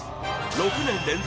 ６年連続